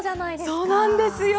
そうなんですよ。